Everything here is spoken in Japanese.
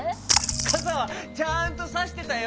かさはちゃんとさしてたよ！